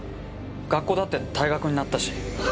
学校だって退学になったし。